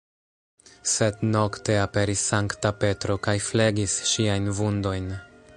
Sed nokte aperis Sankta Petro kaj flegis ŝiajn vundojn.